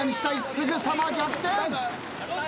すぐさま逆転。